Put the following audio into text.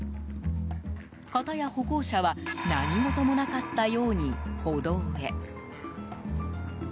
かたや歩行者は何事もなかったように歩道へ。